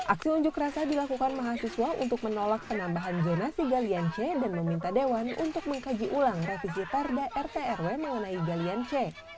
aksi unjuk rasa dilakukan mahasiswa untuk menolak penambahan zonasi galian c dan meminta dewan untuk mengkaji ulang revisi perda rtrw mengenai galian c